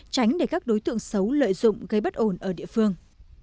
tránh để các đối tượng xấu lợi dụng gây bất ổn ở địa phương